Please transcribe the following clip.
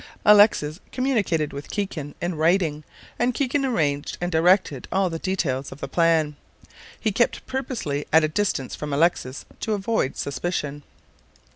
Alexis communicated with Kikin in writing, and Kikin arranged and directed all the details of the plan. He kept purposely at a distance from Alexis, to avoid suspicion.